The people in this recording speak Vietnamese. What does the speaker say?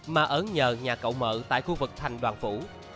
mà ở nhờ nhà cậu mợ tại khu vực thành đoàn phủ